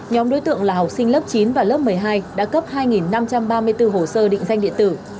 nhóm đối tượng là học sinh lớp chín và lớp một mươi hai đã cấp hai năm trăm ba mươi bốn hồ sơ định danh điện tử